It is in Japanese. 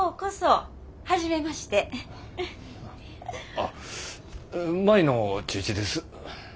あっ舞の父です。